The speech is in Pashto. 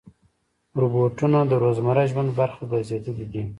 روبوټونه د روزمره ژوند برخه ګرځېدلي دي.